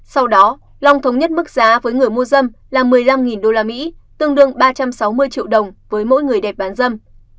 sau đó long thống nhất mức giá với người mua dâm là một mươi năm usd tương đương ba trăm sáu mươi triệu đồng với mỗi người đẹp bán dâm